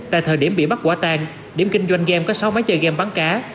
tại thời điểm bị bắt quả tang điểm kinh doanh game có sáu máy chơi game bắn cá